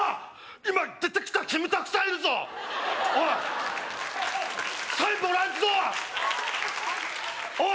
今出てきたらキムタクさんいるぞおいサインもらえっぞおい！